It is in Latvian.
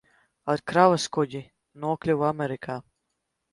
Ar kravas kuģi nokļuva Amerikā.